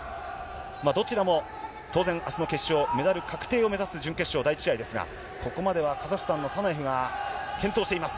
どちらも当然、あすの決勝、メダル確定を目指す準決勝第１試合ですが、ここまではカザフスタンのサナエフが健闘しています。